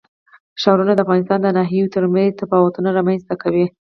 ښارونه د افغانستان د ناحیو ترمنځ تفاوتونه رامنځ ته کوي.